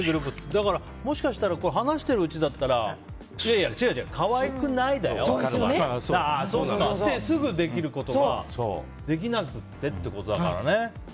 だから、もしかしたら話してるうちだったらいやいや違う違う可愛くない？だよ。ああ、そうかってすぐにできることができなくてってことだからね。